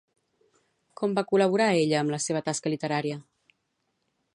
Com va col·laborar ella amb la seva tasca literària?